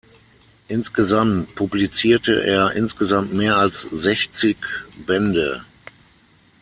Insgesamt publizierte er insgesamt mehr als sechzig Bände.